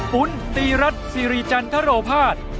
ปุ้นตีรัฐสิริจันทรโรภาส